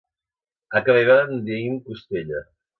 A ca meva en deim costella.